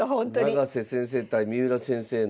永瀬先生対三浦先生の。